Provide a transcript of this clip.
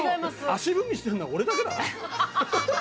足踏みしてるのは俺だけだな。